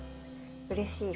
うれしい。